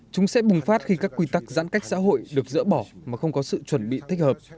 chúng sẽ bùng phát khi các quy tắc giãn cách xã hội được dỡ bỏ mà không có sự chuẩn bị thích hợp